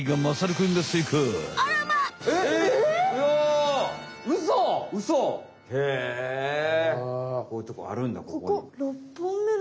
こういうとこあるんだここに。